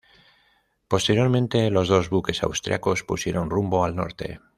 Posteriormente, los dos buques austriacos pusieron rumbo al norte.